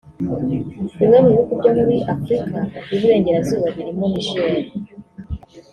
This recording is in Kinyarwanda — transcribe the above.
Bimwe mu bihugu byo muri Afurika y’Uburengerazuba birimo Niger